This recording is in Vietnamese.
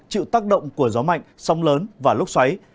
chịu tác động của gió mạnh sóng lớn và lúc xoáy